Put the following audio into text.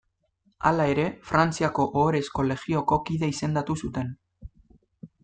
Hala ere, Frantziako Ohorezko Legioko kide izendatu zuten.